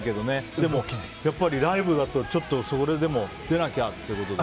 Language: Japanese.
でも、やっぱりライブだとそれでも出なきゃってことで？